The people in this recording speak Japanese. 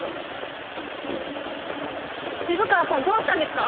渋川さんどうしたんですか？